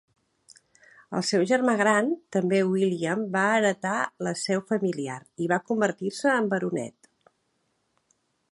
El seu germà gran, també William va heretà la seu familiar i va convertir-se en baronet.